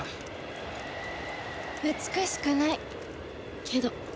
美しくないけど。